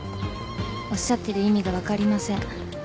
おっしゃってる意味が分かりません。